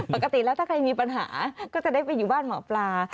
ปกติแล้วถ้าใครมีปัญหาก็จะได้ไปอยู่บ้านหมอปลา